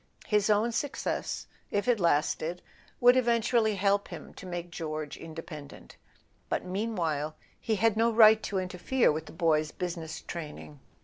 His own success, if it lasted, would eventually help him to make George independent; but meanwhile he had no right to interfere with the boy's business training.